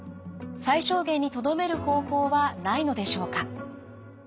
最小限にとどめる方法はないのでしょうか。